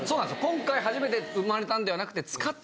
今回初めて生まれたんではなくて使ってた。